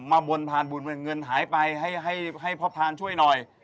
บนพานบุญเงินหายไปให้พ่อพรานช่วยหน่อย